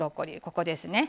ここですね